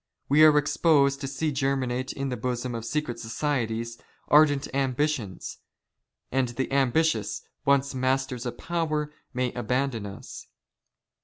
We are exposed to " see germinate in the bosom of secret societies, ardent ambitions ;" and the ambitious, once masters of power, may abandon us.